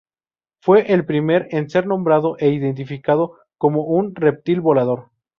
Fue el primero en ser nombrado e identificado como un reptil volador.